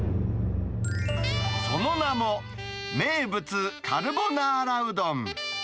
その名も、名物カルボナーラうどん。